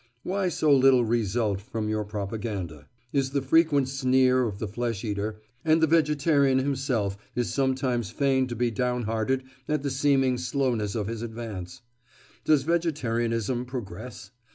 "Why so little result from your propaganda?" is the frequent sneer of the flesh eater, and the vegetarian himself is sometimes fain to be down hearted at the seeming slowness of his advance. Does vegetarianism progress?